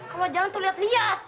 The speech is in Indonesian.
kalau jalan tuh lihat lihat